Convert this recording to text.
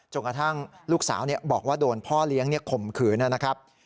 กระทั่งลูกสาวบอกว่าโดนพ่อเลี้ยงข่มขืนนะครับ